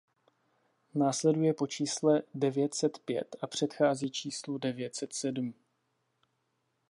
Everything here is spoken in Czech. Následuje po čísle devět set pět a předchází číslu devět set sedm.